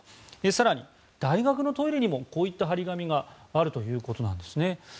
更に大学のトイレにもこういった貼り紙があるということなんですね。